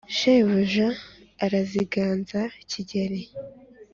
Shebuja araziganza Kigeli! »